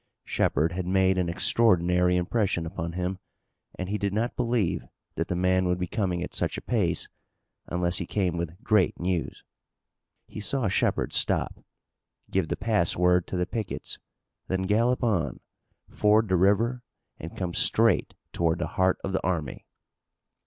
Shepard had made an extraordinary impression upon him and he did not believe that the man would be coming at such a pace unless he came with great news. He saw Shepard stop, give the pass word to the pickets, then gallop on, ford the river and come straight toward the heart of the army.